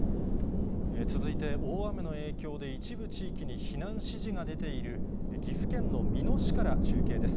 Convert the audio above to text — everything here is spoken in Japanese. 続いて大雨の影響で一部地域に避難指示が出ている、岐阜県の美濃市から中継です。